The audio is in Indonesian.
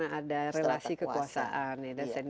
ada relasi kekuasaan